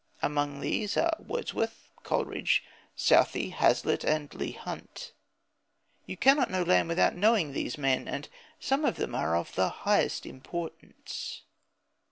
Among these are Wordsworth, Coleridge, Southey, Hazlitt, and Leigh Hunt. You cannot know Lamb without knowing these men, and some of them are of the highest importance.